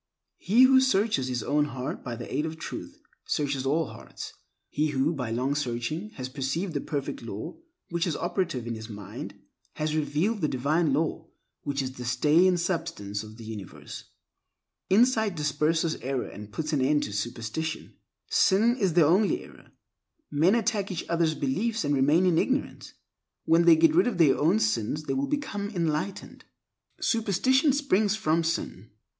He who searches his own heart by the aid of Truth, searches all hearts. He who, by long searching, has perceived the Perfect Law which is operative in his mind, has revealed the Divine Law which is the stay and substance of the universe. Insight disperses error and puts an end to superstition. Sin is the only error, Men attack each other's beliefs and remain in ignorance. When they get rid of their own sins they will become enlightened. Superstition springs from sin.